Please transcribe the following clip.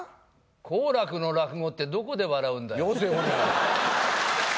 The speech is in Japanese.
好楽の落語ってどこで笑うんよせよ。